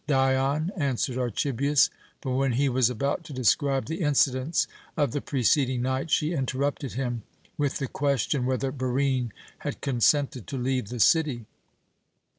"Dion," answered Archibius; but when he was about to describe the incidents of the preceding night, she interrupted him with the question whether Barine had consented to leave the city.